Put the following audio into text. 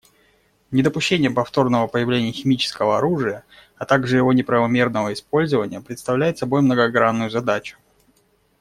Недопущение повторного появления химического оружия, а также его неправомерного использования представляет собой многогранную задачу.